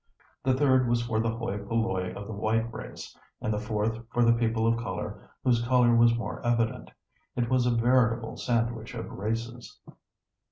The third was for the hoi polloi of the white race, and the fourth for the people of color whose color was more evident. It was a veritable sandwich of races.